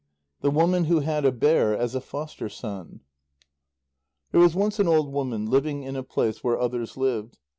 THE WOMAN WHO HAD A BEAR AS A FOSTER SON There was once an old woman living in a place where others lived.